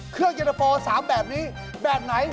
เครื่องเย็นตะโฟ๓แบบนี้แบบไหน